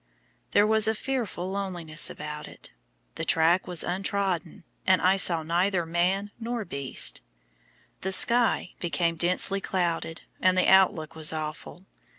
There was a fearful loneliness about it. The track was untrodden, and I saw neither man nor beast. The sky became densely clouded, and the outlook was awful.